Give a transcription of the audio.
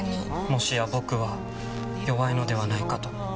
もしや僕は弱いのではないかと。